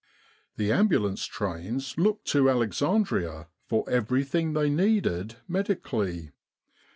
The ambulance trains looked to Alexandria for everything they needed medically.